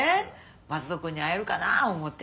松戸君に会えるかな思て。